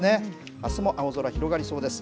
あすも青空、広がりそうです。